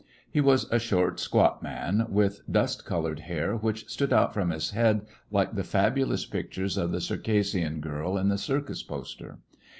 He was a short, squat man, with dust colored hair which stood out from his head like the fabulous pictures of the Circassian girl in the circus poster.